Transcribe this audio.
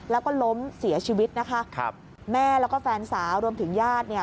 แล้วก็ล้มเสียชีวิตนะคะครับแม่แล้วก็แฟนสาวรวมถึงญาติเนี่ย